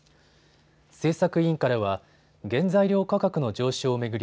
政策委員からは原材料価格の上昇を巡り